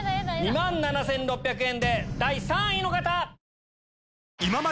２万７６００円で第３位の方！